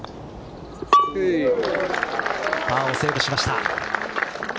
パーをセーブしました。